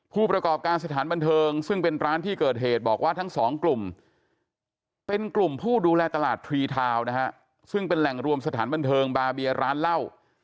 ผู้ประกอบการสถานบันเทิงซึ่งเป็นร้านที่เกิดเหตุบอกว่าทั้งสองกลุ่มเป็นกลุ่มผู้ดูแลตลาดทรีทาวน์นะฮะซึ่งเป็นแหล่งรวมสถานบันเทิงบาเบียร้านเหล้า